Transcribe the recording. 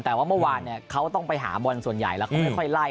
แต่ว่าเมื่อวานเขาต้องไปหาบอลส่วนใหญ่แล้วเขาไม่ค่อยไล่